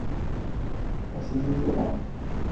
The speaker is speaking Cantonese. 我外公住喺土瓜灣浩明雅苑